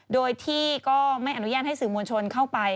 โดยที่ก็ไม่อนุญาตให้สื่อมวลชนเข้าไป